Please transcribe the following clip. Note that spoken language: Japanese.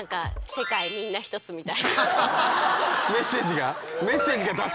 メッセージが。